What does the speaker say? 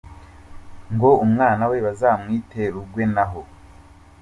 ngo umwana we bazamwite Rugwe, naho